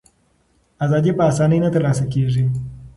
ازادي په آسانۍ نه ترلاسه کېږي.